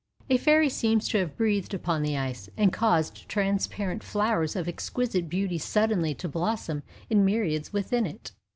'A fairy seems to have breathed upon the ice, and caused transparent flowers of exquisite beauty suddenly to blossom in myriads within it.